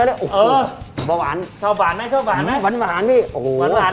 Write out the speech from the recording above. เออชอบหวานไหมชอบหวานไหมหวานหวานหวานพี่โอ้โหหวานหวาน